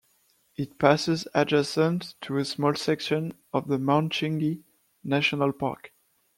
It passes adjacent to a small section of the Mount Chinghee National Park.